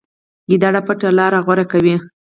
ګیدړ پټه لاره غوره کوي.